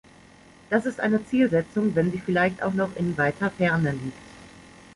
Das ist eine Zielsetzung, wenn sie vielleicht auch noch in weiter Ferne liegt.